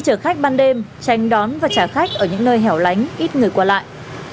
khi chở khách ban đêm tranh đón và trả khách ở những nơi hẻo lánh ít người qua lại